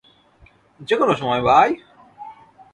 যে কোন সময়, ভাই।